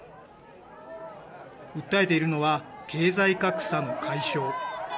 訴えているのは経済格差の解消。